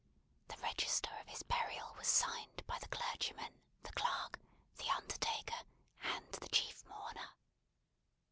The register of his burial was signed by the clergyman, the clerk, the undertaker, and the chief mourner.